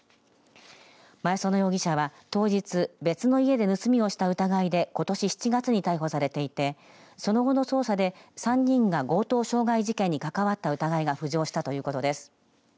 前園容疑者は、当日別の家で盗みをした疑いでことし７月に逮捕されていてその後の捜査で３人が強盗傷害事件に関わった疑いが浮上したということです。